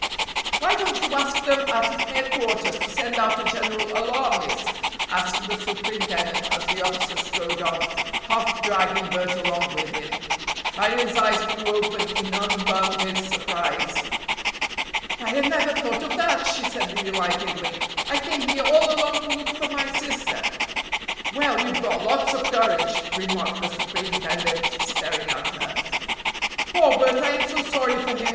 "Why don't you ask them at headquarters to send out a general alarm, miss?" asked the superintendent as the officer strode on, half dragging Bert along with him. Marion's eyes flew open in unbounded surprise. "Why, I never thought of that," she said delightedly, "I came here all alone to look for my sister!" "Well, you've got lots of courage," remarked the superintendent, staring at her. "Poor Bert! I am so sorry for him!"